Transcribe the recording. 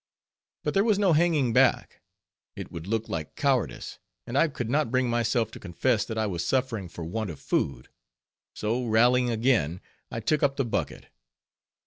But there was no hanging back; it would look like cowardice, and I could not bring myself to confess that I was suffering for want of food; so rallying again, I took up the bucket.